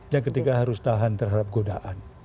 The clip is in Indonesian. yang ketiga harus tahan terhadap godaan